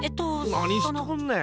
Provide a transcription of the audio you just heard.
何しとんねん！